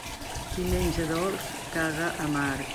Qui menja dolç, caga amarg.